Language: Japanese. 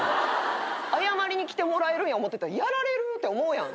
謝りに来てもらえるんや思ってたらやられるって思うやん。